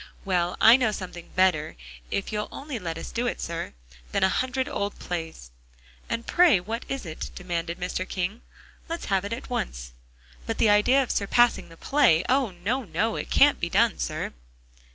"Well, I know something better, if you'll only let us do it, sir, than a hundred old plays." "And pray what is it?" demanded Mr. King, "let's have it at once. But the idea of surpassing the play! Oh, no, no, it can't be done, sir!"